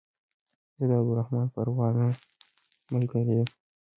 زه د عبدالرحمن پروانه ملګری يم